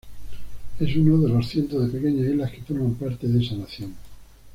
Es una de los cientos de pequeñas islas que forman parte de esa nación.